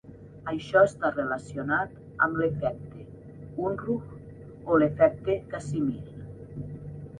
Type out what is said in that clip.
Això està relacionat amb l'efecte Unruh o l'efecte Casimir.